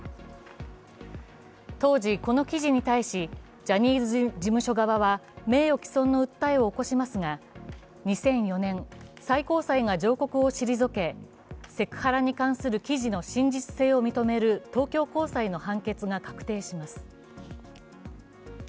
当時、この記事に対し、ジャニーズ事務所側は名誉棄損の訴えを起こしますが２００４年、最高裁が上告を退けセクハラに関する記事の真実性を認める東京高裁の判決が確定します。